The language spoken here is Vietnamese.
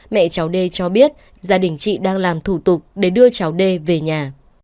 mẹ cháu d cho biết gia đình chị đang làm thủ tục để đưa cháu đê về nhà